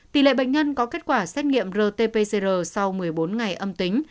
tỷ lệ bệnh nhân có kết quả xét nghiệm rt pcr sau một mươi bốn ngày âm tính